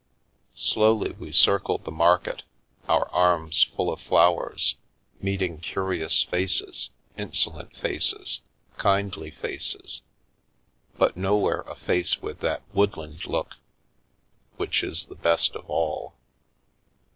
Slowly we circled the market, our arms full of flowers, meeting curious faces, insolent faces, kindly faces, but nowhere a face with that woodland look which is the best of all.